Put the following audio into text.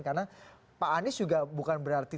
karena pak anies juga bukan berarti